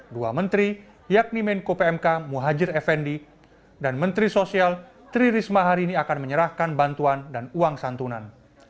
dua menteri yakni menko pmk muhajir effendi dan menteri sosial tri risma hari ini akan menyerahkan bantuan dan uang santunan